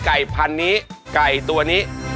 ไก่พันนี้ไก่ตัวนี้